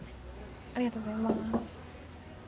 ありがとうございます。